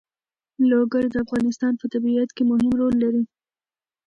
لوگر د افغانستان په طبیعت کې مهم رول لري.